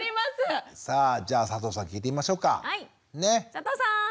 佐藤さん。